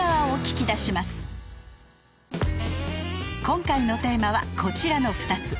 今回のテーマはこちらの２つ